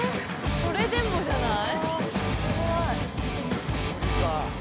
それでもじゃない？